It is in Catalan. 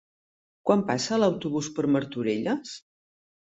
Quan passa l'autobús per Martorelles?